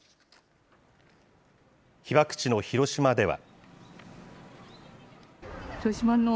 被爆地の広島では。